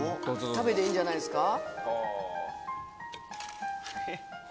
食べていいんじゃないですか。